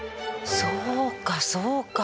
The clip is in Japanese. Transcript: そうかそうか。